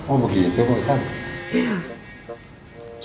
oh begitu pak ustadz